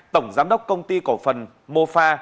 tổng giám đốc công ty cổ phần mô pha